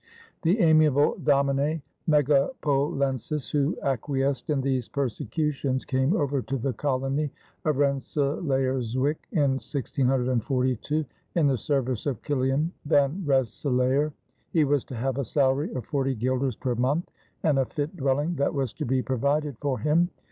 The amiable Domine Megapolensis who acquiesced in these persecutions came over to the colony of Rensselaerswyck in 1642 in the service of Kiliaen Van Rensselaer. He was to have a salary of forty guilders per month and a fit dwelling that was to be provided for him.